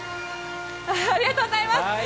ありがとうございます。